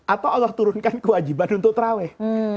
atau allah turunkan kewajiban untuk terawih